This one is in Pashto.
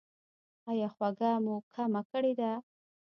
ایا خوږه مو کمه کړې ده؟